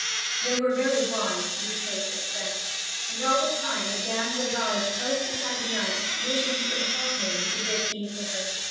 They were very wise to retrace their steps. And all the time the damsel rides close beside the knight, wishing to compel him to give heed to her.